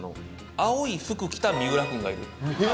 青い服着た三浦くんがいる。